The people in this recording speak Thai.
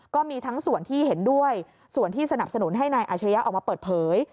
ก็มีทั้งส่วนที่เห็นด้วยส่วนที่สนับสนุนให้นายอาชริยะออกมาเปิดเผย